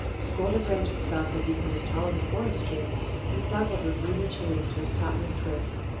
The Golden Branch itself had become as tall as a forest tree, and sparkled with ruby cherries to its topmost twig.